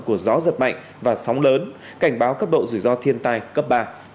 của gió giật mạnh và sóng lớn cảnh báo cấp độ rủi ro thiên tai cấp ba